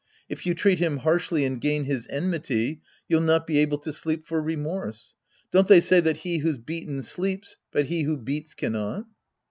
If you treat him harshly and gain his enmity, you'll not be able to sleep for remorse. Don't they say that he who's beaten sleeps, but he who beats cannot